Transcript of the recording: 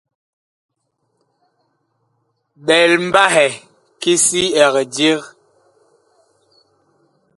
Ɓɛl mbahɛ ki si ɛg dig.